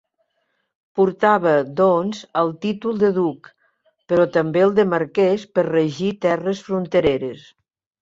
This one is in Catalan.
Portava, doncs, el títol de duc, però també el de marquès per regir terres frontereres.